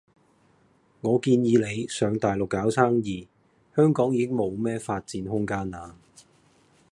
我建議你上大陸搞生意，香港已經冇咩發展空間喇。